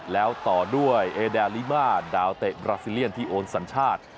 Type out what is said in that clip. แล้วต่อด้วยเอดาลิมาดาวเตะบราซิเลียนที่โอนสัญชาติ